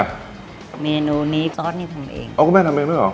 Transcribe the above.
ซอสนี่ทำเอง